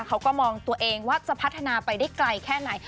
เขาก็มองตัวเองว่าจะพัฒนาไปได้ไกลแค่ไหน